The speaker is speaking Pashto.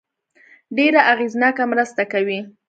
ډېره اغېزناکه مرسته کوي.